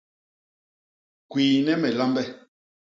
Kwiyne me lambe.